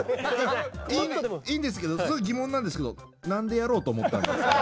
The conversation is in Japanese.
いいんですけどすごく疑問なんですけど何でやろうと思ったんですか？